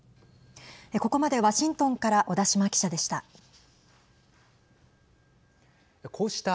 ここまで、ワシントンから小田島記者でした。